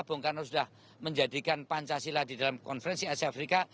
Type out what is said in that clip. bung karno sudah menjadikan pancasila di dalam konferensi asia afrika